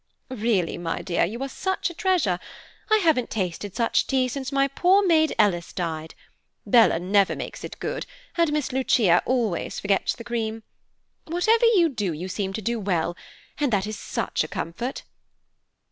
"Really, my dear, you are a treasure; I haven't tasted such tea since my poor maid Ellis died. Bella never makes it good, and Miss Lucia always forgets the cream. Whatever you do you seem to do well, and that is such a comfort."